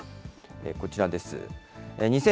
こちらです。